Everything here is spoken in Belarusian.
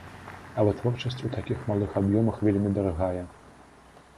А вытворчасць у такіх малых аб'ёмах вельмі дарагая.